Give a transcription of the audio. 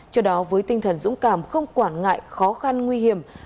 cho đó với tinh thần dũng cảm không quản ngại khó khăn nguy hiểm